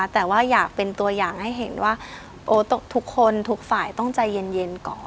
แต่ว่าอยากเป็นตัวอย่างให้เห็นว่าทุกคนทุกฝ่ายต้องใจเย็นก่อน